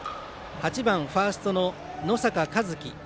８番、ファーストの能坂和輝。